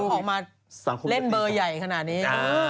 ออกมาเล่นเบอร์ใหญ่ขนาดนี้